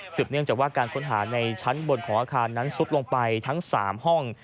เนื่องจากว่าการค้นหาในชั้นบนของอาคารนั้นซุดลงไปทั้ง๓ห้อง